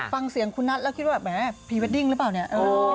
ฟังเสียงคุณนัทแล้วคิดว่าแหมพรีเวดดิ้งหรือเปล่าเนี่ย